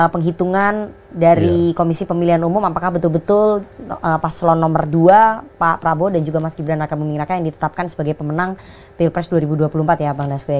penghitungan dari komisi pemilihan umum apakah betul betul paslon nomor dua pak prabowo dan juga mas gibran raka buming raka yang ditetapkan sebagai pemenang pilpres dua ribu dua puluh empat ya bang naswi